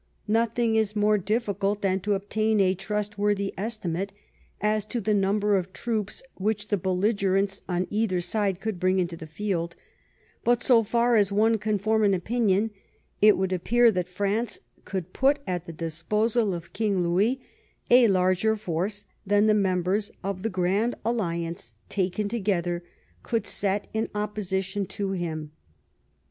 Nothing is more difficult than to ob tain a trustworthy estimate as to the number of troops which the belligerents on either side could bring into the field, but so far as one can form an opinion it would appear that France could put at the disposal of King Louis a larger force than the members of the Grand Alliance, taken together, could set in opposition to him.